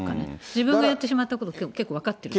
自分がやってしまったことを結構分かってる。